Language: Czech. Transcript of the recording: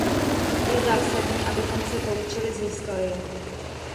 Je zásadní, abychom se poučili z historie.